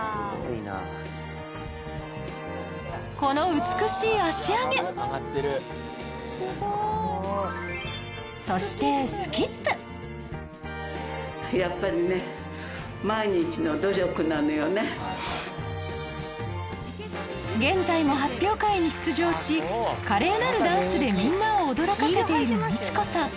この美しいそして現在も発表会に出場し華麗なるダンスでみんなを驚かせている道子さん